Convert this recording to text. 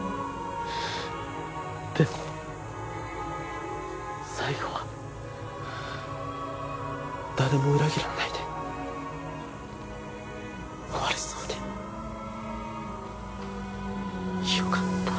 でも最後は誰も裏切らないで終われそうでよかった。